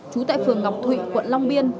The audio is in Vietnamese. trú tại phường ngọc thụy quận long biên